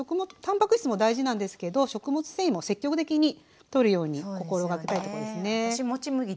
たんぱく質も大事なんですけど食物繊維も積極的にとるように心掛けたいとこですね。